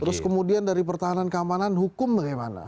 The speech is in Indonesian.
terus kemudian dari pertahanan keamanan hukum bagaimana